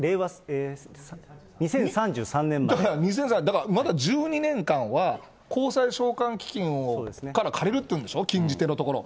令和、だからまだ１２年間は、公債償還基金から借りるっていうんでしょ、禁じ手のところを。